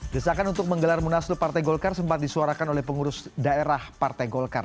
desakan untuk menggelar munaslup partai golkar sempat disuarakan oleh pengurus daerah partai golkar